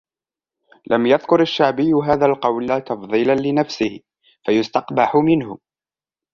لَمْ يَذْكُرْ الشَّعْبِيُّ هَذَا الْقَوْلَ تَفْضِيلًا لِنَفْسِهِ فَيُسْتَقْبَحُ مِنْهُ